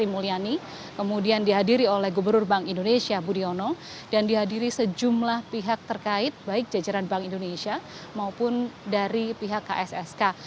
kemudian dihadiri oleh gubernur bank indonesia budiono dan dihadiri sejumlah pihak terkait baik jajaran bank indonesia maupun dari pihak kssk